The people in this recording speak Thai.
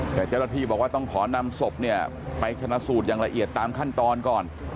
แต่เจ้าหน้าที่บอกว่าต้องขอนำศพเนี่ยไปชนะสูตรอย่างละเอียดตามขั้นตอนก่อน